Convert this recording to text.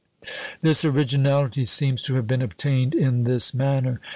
This originality seems to have been obtained in this manner.